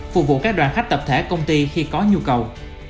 phục vụ các đoàn khách tập thể công ty khi có nhu cầu